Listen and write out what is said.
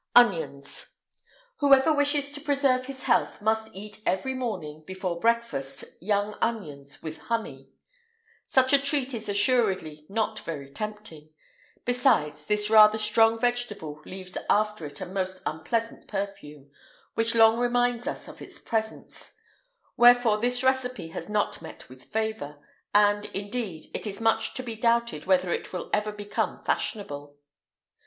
ONIONS. Whoever wishes to preserve his health must eat every morning, before breakfast, young onions, with honey.[IX 142] Such a treat is assuredly not very tempting: besides, this rather strong vegetable leaves after it a most unpleasant perfume, which long reminds us of its presence; wherefore this recipe has not met with favour, and, indeed, it is much to be doubted whether it will ever become fashionable.